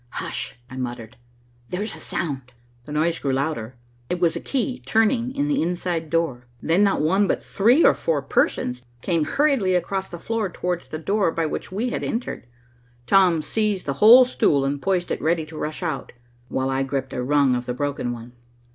"Hush," I muttered, "there's a sound." The noise grew louder. It was a key turning in the inside door. Then not one, but three or four persons, came hurriedly across the floor towards the door by which we had entered. Tom seized the whole stool and poised it ready to rush out, while I gripped a rung of the broken one.